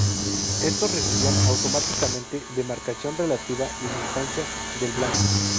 Estos recibían automáticamente demarcación relativa y distancia del blanco.